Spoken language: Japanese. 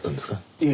いえ。